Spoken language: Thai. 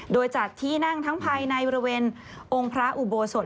โดยจัดที่นั่งทั้งภายในบริเวณองค์พระอุโบสถ